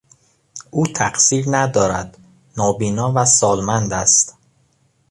او تقصیر ندارد، نابینا و سالمند است.